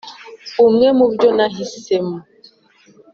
umwe mubyo nahisemo